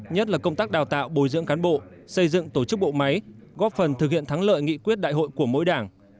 nhất là công tác đào tạo bồi dưỡng cán bộ xây dựng tổ chức bộ máy góp phần thực hiện thắng lợi nghị quyết đại hội của mỗi đảng